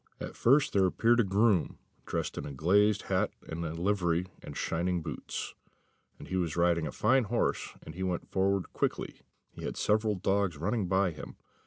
At first there appeared a groom, dressed in a glazed hat, and a livery, and shining boots; and he was riding a fine horse, and he went forward quickly; he had several dogs running by him.